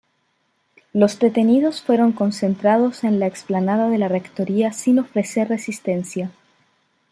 Los detenidos fueron concentrados en la explanada de la rectoría sin ofrecer resistencia.